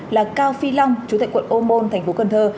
là cao phi long chủ tịch quận ô môn thành phố cần thơ